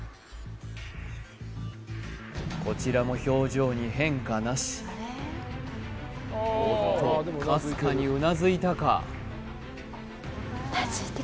こちらも表情に変化なしおっとかすかにうなずいたか？